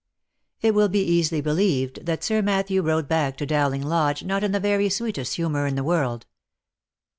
It will be easily believed that Sir Matthew rode back to Dowling Lodge not in the very sweetest humour in the world.